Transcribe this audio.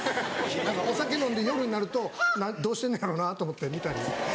お酒飲んで夜になるとどうしてんのやろな？と思って見たり。